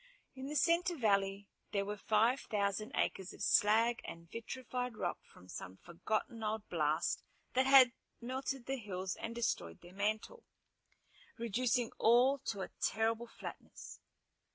In the center valley there were five thousand acres of slag and vitrified rock from some forgotten old blast that had melted the hills and destroyed their mantle, reducing all to a terrible flatness.